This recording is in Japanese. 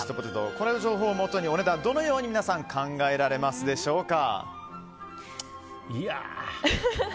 この情報をもとにどのように皆さん、考えられますでしょうか。